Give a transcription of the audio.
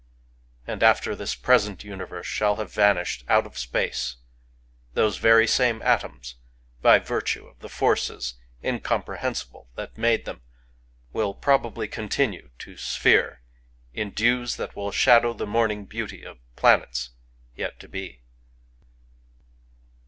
And after this present universe shall have vanished out of Space, those very same atoms — by virtue of the forces incomprehensible that made them ^ will probably continue to sphere in dews that will shadow the morning beauty of planets yet to be.